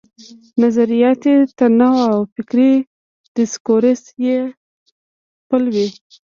نظریاتي تنوع او فکري ډسکورس یې خپل وي.